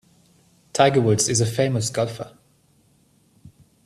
Tiger Woods is a famous golfer.